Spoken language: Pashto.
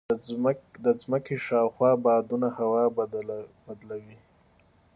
د ځمکې شاوخوا بادونه هوا بدله وي.